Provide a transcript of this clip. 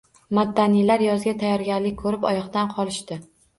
Mattanilar yozga tayyorgarlik ko`rib oyoqdan qolishdi